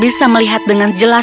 bisa melihat dengan jelas